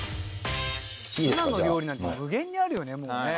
「ツナの料理なんて無限にあるよねもうね」